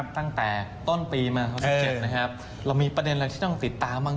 ตั้งแต่ต้นปีมา๖๗เรามีประเด็นอะไรที่ต้องติดตามบ้าง